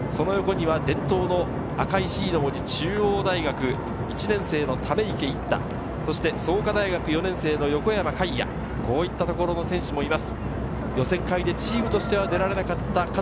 その横には伝統の赤いＣの文字、中央大学・１年生の溜池一太、そして創価大学４年生の横山魁哉、そういったところの選手もいます。